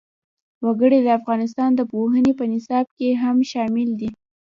وګړي د افغانستان د پوهنې په نصاب کې هم شامل دي.